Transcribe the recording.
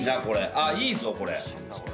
ああいいぞこれ。